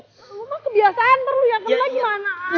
lo mah kebiasaan terus ya kenapa gimana